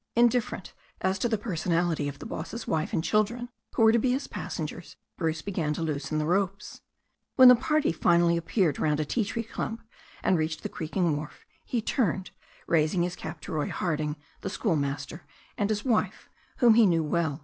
Indifferent as to the personality of the boss's wife and children, who were to be his passengers, Bruce began to loosen the ropes. When the party finally appeared round a ti tree clump, and reached the creaking wharf, he turned, raising his cap to Roy Harding, the schoolmaster, and his wife, whom he knew well.